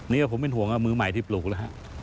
นี่ผมเป็นห่วงว่ามื้อใหม่ที่ปลูกแล้ว